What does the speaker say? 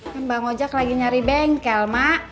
kan bang ojak lagi nyari bengkel mak